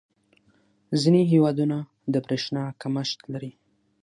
• ځینې هېوادونه د برېښنا کمښت لري.